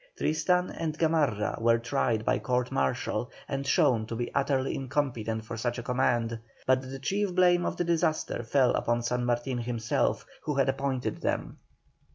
Tristan and Gamarra were tried by court martial, and shown to be utterly incompetent for such a command; but the chief blame of the disaster fell upon San Martin himself, who had appointed them.